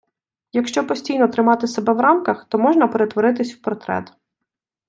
Якщо постійно тримати себе в рамках, то можна перетворитись в портрет!